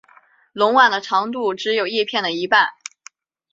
笼蔓的长度只有叶片的一半。